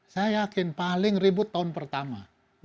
saya yakin paling ribut tahun pertama